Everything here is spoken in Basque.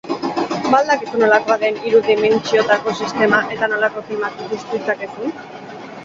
Ba al dakizu nolakoa den hiru dimentsiotako sistema eta nolako filmak ikus ditzakezun?